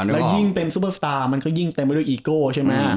แล้วยิ่งเป็นซุปเปอร์สตาร์มันก็ยิ่งเต็มไปด้วยอีโก้ใช่ไหม